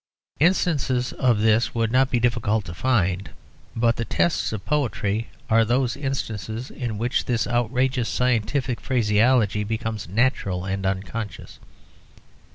Instances of this would not be difficult to find. But the tests of poetry are those instances in which this outrageous scientific phraseology becomes natural and unconscious.